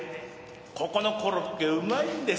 ここのコロッケうまいんです。